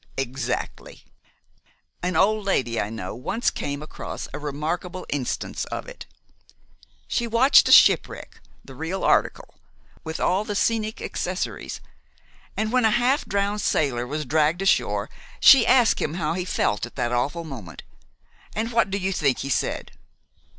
"Exactly. An old lady I know once came across a remarkable instance of it. She watched a ship wreck, the real article, with all the scenic accessories, and when a half drowned sailor was dragged ashore she asked him how he felt at that awful moment. And what do you think he said?"